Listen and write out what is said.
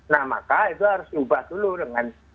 nah maka itu harus diubah dulu dengan